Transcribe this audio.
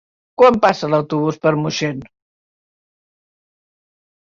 Quan passa l'autobús per Moixent?